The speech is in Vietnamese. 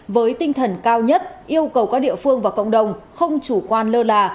với tinh thần cao nhất yêu cầu các địa phương và cộng đồng không chủ quan lơ là